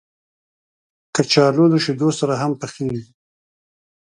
کچالو له شیدو سره هم پخېږي